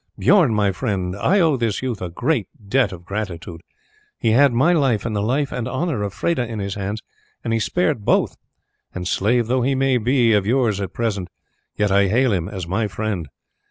Bijorn, my friend, I owe this youth a deep debt of gratitude; he had my life and the life and honour of Freda in his hands, and he spared both, and, slave though he may be of yours at present, yet I hail him as my friend.